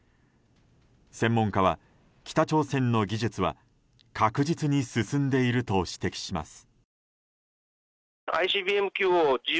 専門家は北朝鮮の技術は確実に進んでいると指摘します。